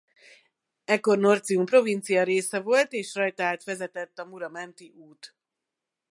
Ekkor Noricum provincia része volt és rajta át vezetett a Mura-menti út.